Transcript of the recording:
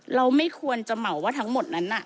เราไม่ควรจะเหมาว่าทั้งหมดนั้นน่ะ